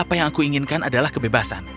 apa yang aku inginkan adalah kebebasan